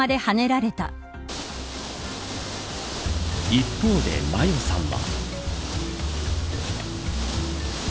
一方で麻世さんは。